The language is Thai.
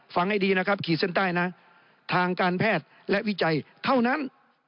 ให้ดีนะครับขีดเส้นใต้นะทางการแพทย์และวิจัยเท่านั้น